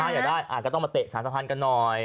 อาจจะหาไม่ได้ก็ต้องมาเตะสารสัมพันธ์กันหน่อย